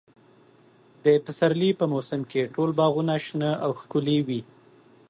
د پسرلي په موسم کې ټول باغونه شنه او ښکلي وي.